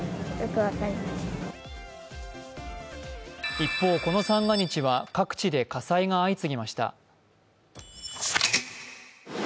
一方、この三が日は各地で火災が相次ぎました。